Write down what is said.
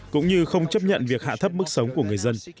cũng như không chấp nhận việc hạ thấp mức sống của người dân